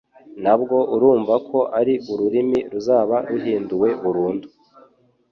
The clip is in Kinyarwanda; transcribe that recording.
nabwo urumva ko ari ururimi ruzaba ruhinduwe burundu.